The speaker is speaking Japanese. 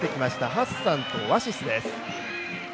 ハッサンとワシスです。